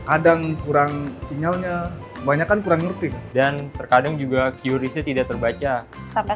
adang kurang sinyalnya kebanyakan kurang ngerti dan terkadang juga curie tidak terbaca sampai